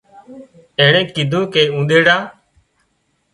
اينڻيئي ڪيڌون ڪي اونۮيڙا